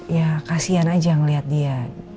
ya kasian aja ngeliat dia